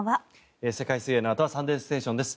世界水泳のあとは「サンデーステーション」です。